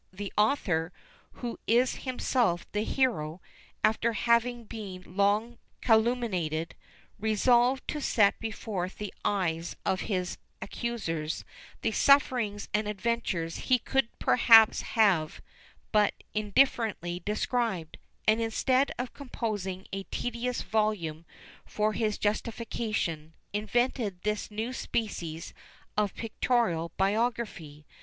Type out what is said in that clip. The author, who is himself the hero, after having been long calumniated, resolved to set before the eyes of his accusers the sufferings and adventures he could perhaps have but indifferently described: and instead of composing a tedious volume for his justification, invented this new species of pictorial biography.